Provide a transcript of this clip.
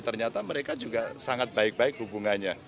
ternyata mereka juga sangat baik baik hubungannya